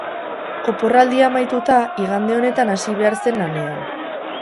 Oporraldia amaituta, igande honetan hasi behar zen lanean.